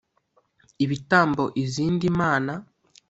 ibitambo izindi mana